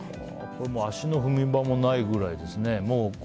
足の踏み場もないくらいですね。